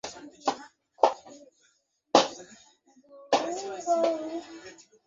এটি মূলত সি ভাষার বর্ধিত রুপ।